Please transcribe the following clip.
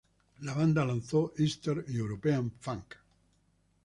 La banda lanzó "Eastern European Funk".